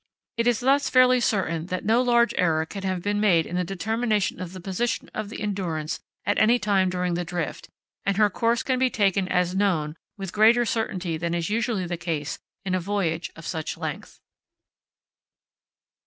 It is thus fairly certain that no large error can have been made in the determination of the position of the Endurance at any time during the drift, and her course can be taken as known with greater certainty than is usually the case in a voyage of such length.